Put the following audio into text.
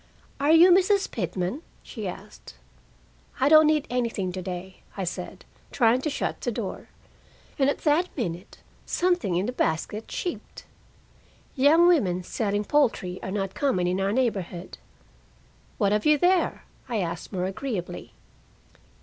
"Are you Mrs. Pitman?" she asked. "I don't need anything to day," I said, trying to shut the door. And at that minute something in the basket cheeped. Young women selling poultry are not common in our neighborhood. "What have you there?" I asked more agreeably.